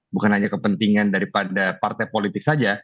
bukan hanya kepentingan daripada partai politik saja